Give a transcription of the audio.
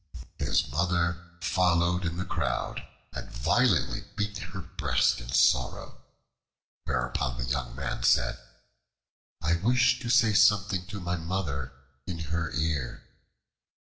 His Mother followed in the crowd and violently beat her breast in sorrow, whereupon the young man said, "I wish to say something to my Mother in her ear."